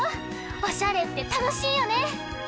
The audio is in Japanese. おしゃれってたのしいよね！